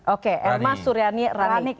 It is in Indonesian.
oke erma suryani manik